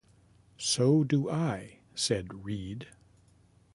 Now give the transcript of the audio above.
"So do I," said Reed.